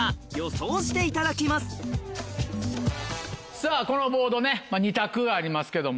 さぁこのボードね２択ありますけども。